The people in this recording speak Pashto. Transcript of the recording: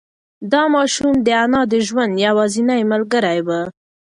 دا ماشوم د انا د ژوند یوازینۍ ملګری و.